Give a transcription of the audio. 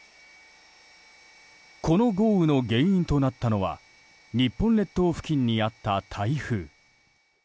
この豪雨の原因となったのは日本列島付近にあった台風。